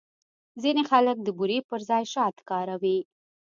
ځینې خلک د بوري پر ځای شات کاروي.